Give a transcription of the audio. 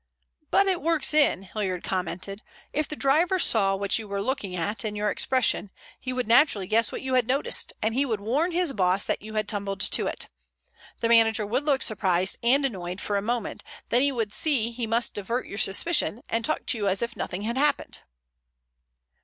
"But it works in," Hilliard commented. "If the driver saw what you were looking at and your expression, he would naturally guess what you had noticed, and he would warn his boss that you had tumbled to it. The manager would look surprised and annoyed for a moment, then he would see he must divert your suspicion, and talk to you as if nothing had happened."